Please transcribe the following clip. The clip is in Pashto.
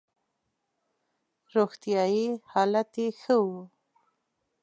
روغتیايي حالت یې ښه وو.